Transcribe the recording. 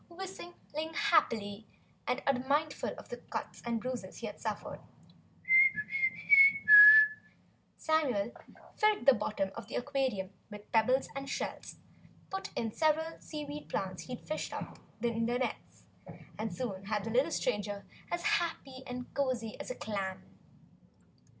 Whistling happily and unmindful of the cuts and bruises he had suffered, Samuel filled the bottom of the aquarium with pebbles and shells, put in several seaweed plants he'd fished up in the nets, and soon had the little stranger as happy and cozy as a clam.